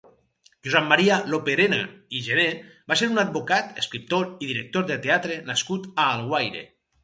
Josep Maria Loperena i Jené va ser un advocat, escriptor i director de teatre nascut a Alguaire.